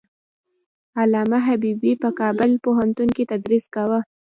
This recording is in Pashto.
علامه حبيبي په کابل پوهنتون کې تدریس کاوه.